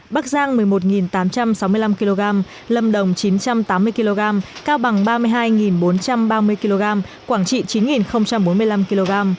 bắc giang một mươi một tám trăm sáu mươi năm kg lâm đồng chín trăm tám mươi kg cao bằng ba mươi hai bốn trăm ba mươi kg quảng trị chín bốn mươi năm kg